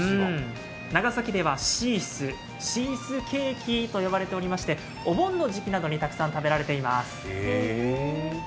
長崎ではシース、シースケーキと呼ばれていましてお盆の時期などにたくさん食べられています。